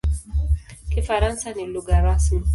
Kifaransa ni lugha rasmi.